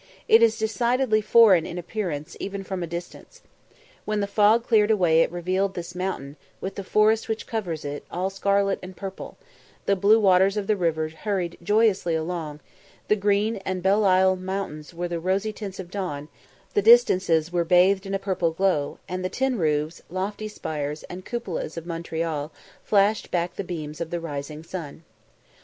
It is decidedly foreign in appearance, even from a distance. When the fog cleared away it revealed this mountain, with the forest which covers it, all scarlet and purple; the blue waters of the river hurried joyously along; the Green and Belleisle mountains wore the rosy tints of dawn; the distances were bathed in a purple glow; and the tin roofs, lofty spires, and cupolas of Montreal flashed back the beams of the rising sun.